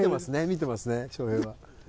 見てますね翔平は。